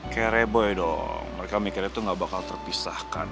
kayak reboy dong mereka mikirnya tuh gak bakal terpisahkan